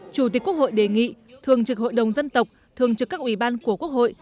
chủ tịch quốc hội đề nghị thường trực hội đồng dân tộc thường trực các ủy ban của quốc hội